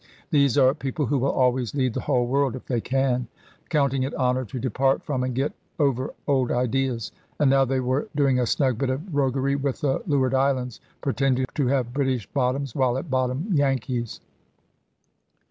These are people who will always lead the whole world, if they can; counting it honour to depart from and get over old ideas. And now they were doing a snug bit of roguery with the Leeward Islands, pretending to have British bottoms, while at bottom Yankees.